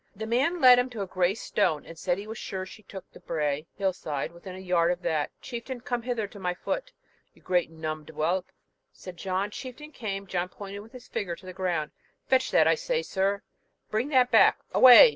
The man led him to a grey stone, and said he was sure she took the brae (hill side) within a yard of that. 'Chieftain, come hither to my foot, you great numb'd whelp!' said John. Chieftain came John pointed with his finger to the ground, 'Fetch that, I say, sir bring that back away!'